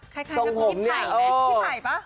คล้ายกับพี่ไผ่ไหมพี่ไผ่ป่ะ